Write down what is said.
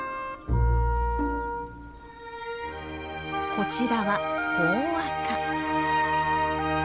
こちらはホオアカ。